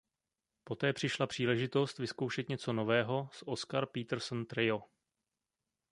Poté přišla příležitost vyzkoušet něco nového s Oscar Peterson Trio.